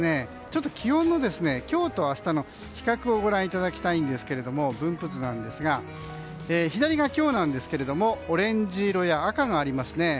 ちょっと気温の今日と明日の比較をご覧いただきたいんですけれども分布図なんですが左が今日なんですがオレンジ色や赤がありますね。